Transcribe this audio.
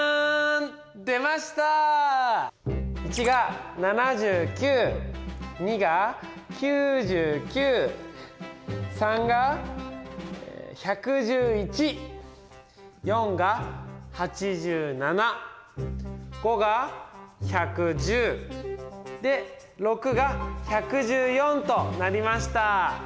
１が７９２が９９３が１１１４が８７５が１１０で６が１１４となりました。